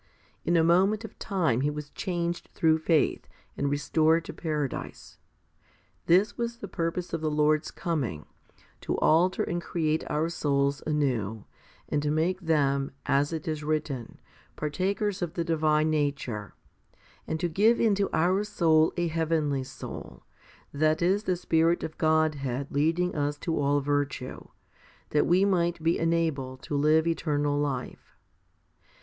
In a moment of time he was changed through faith, and restored to paradise. This was the purpose of the Lord's coming, to alter and create our souls anew, and make them, as it is written, partakers of the divine nature, 1 and to give into our soul a heavenly soul, that is the Spirit of Godhead leading us to all virtue, that we might be enabled to live eternal life.